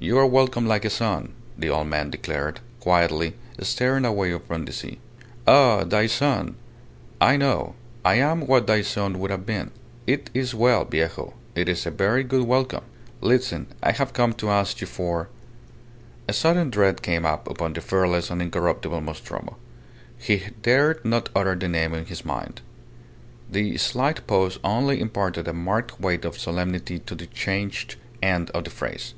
"You are welcome like a son," the old man declared, quietly, staring away upon the sea. "Ah! thy son. I know. I am what thy son would have been. It is well, viejo. It is a very good welcome. Listen, I have come to ask you for " A sudden dread came upon the fearless and incorruptible Nostromo. He dared not utter the name in his mind. The slight pause only imparted a marked weight and solemnity to the changed end of the phrase.